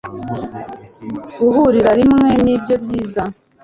guhurira rimwe nibyo byiza